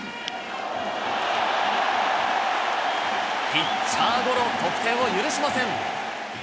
ピッチャーゴロ、得点を許しません。